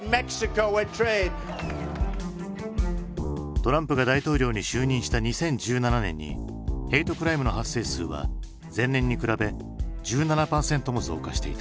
トランプが大統領に就任した２０１７年にヘイトクライムの発生数は前年に比べ１７％も増加していた。